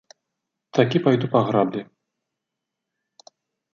Такі пайду па граблі.